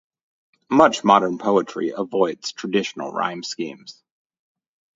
Much modern poetry avoids traditional rhyme schemes.